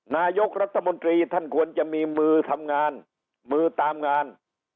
นายกรัฐมนตรีท่านควรจะมีมือทำงานมือตามงาน